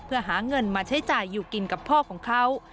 เพื่อหาเงินมาใช้จ่ายอยู่กินกับพ่อของเขา